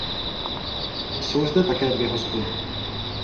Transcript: Jsou zde také dvě hospody.